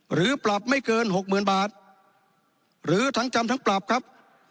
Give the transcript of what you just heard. หรือปรับไม่เกินหกหมื่นบาทหรือทั้งจำทั้งปรับครับ